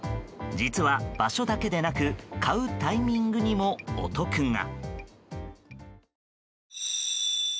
実は、場所だけでなく買うタイミングにもお得が。